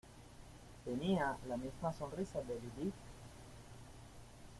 tenía la misma sonrisa de Lilí.